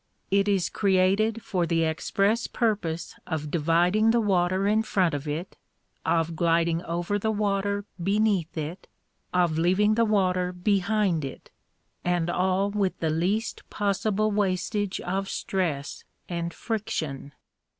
It is created for the express purpose of dividing the water in front of it, of gliding over the water beneath it, of leaving the water behind it and all with the least possible wastage of stress and friction.